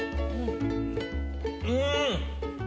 うん！